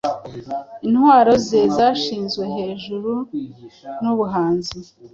Intwaro ze zashizwe hejuru nubuhanzi